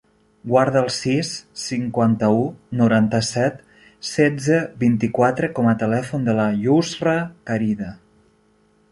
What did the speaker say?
Guarda el sis, cinquanta-u, noranta-set, setze, vint-i-quatre com a telèfon de la Yousra Caride.